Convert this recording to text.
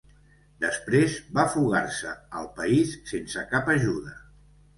Després va fugar-se al país sense cap ajuda.